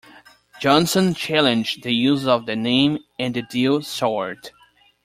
Johnson challenged the use of the name and the deal soured.